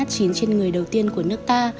trên người đầu tiên của nước ta